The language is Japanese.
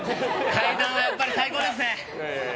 階段は、やっぱり最高ですね。